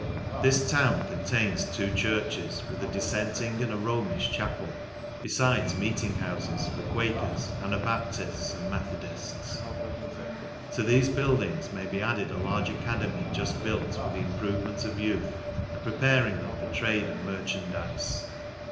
This town contains two churches, with a dif fenting and a Romifio chapel, befides meeting houfes for quakers, anabaptifts, and methodifts. To thefe buildings may be added a large academy juft built for the improvement of youth, and preparing them for trade and merchandize.